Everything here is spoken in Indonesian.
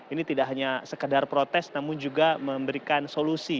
ini tidak hanya sekedar protes namun juga memberikan solusi